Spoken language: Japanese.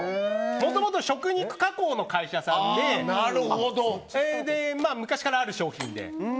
もともと食肉加工の会社さんで昔からある商品で。